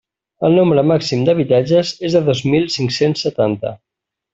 El nombre màxim d'habitatges és de dos mil cinc-cents setanta.